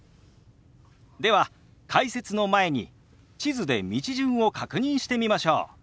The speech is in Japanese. では解説の前に地図で道順を確認してみましょう。